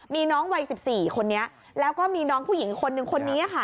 มีน้องวัย๑๔คนนี้แล้วก็มีน้องผู้หญิงคนนึงคนนี้ค่ะ